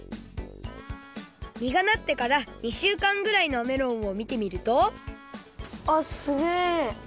みがなってから２週間ぐらいのメロンをみてみるとあっすげえ！